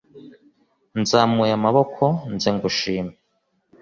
nzamuye amaboko, nze ngushime